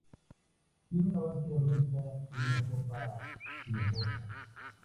Tiene una base recta y una copa globosa.